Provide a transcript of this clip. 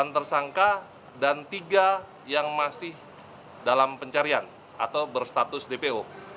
delapan tersangka dan tiga yang masih dalam pencarian atau berstatus dpo